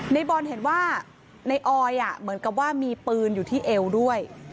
ในบอลเห็นว่าในออยเหมือนกับว่ามีปืนอยู่ที่เอวด้วย